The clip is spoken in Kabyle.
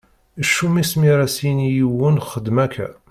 Ccum-is mi ara s-yini yiwen xdem akka.